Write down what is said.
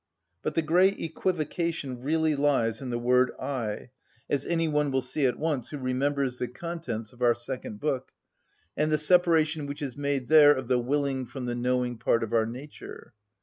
But the great equivocation really lies in the word "I," as any one will see at once who remembers the contents of our second book, and the separation which is made there of the willing from the knowing part of our nature.